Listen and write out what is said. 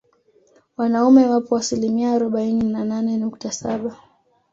Wanaume wapo asilimia arobaini na nane nukta saba